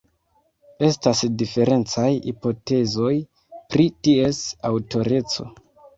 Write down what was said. Estas diferencaj hipotezoj pri ties aŭtoreco.